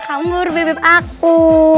kamu berbeb beb aku